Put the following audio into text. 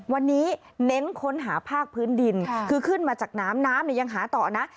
วันนี้เน้นค้นหาภาคพื้นดินคือขึ้นมาจากน้ำน้ำเนี่ยยังหาต่อนะ